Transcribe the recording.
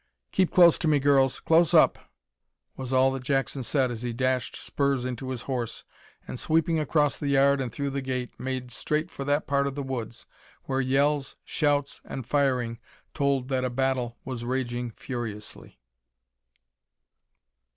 "Keep close to me, girls, close up!" was all that Jackson said as he dashed spurs into his horse, and, sweeping across the yard and through the gate, made straight for that part of the woods where yells, shouts, and firing told that a battle was raging furiously.